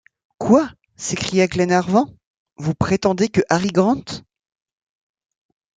Quoi! s’écria Glenarvan, vous prétendez que Harry Grant?...